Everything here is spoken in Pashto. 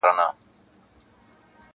خو تر څو چي پښتو ژبه پښتانه پر دې جهان وي.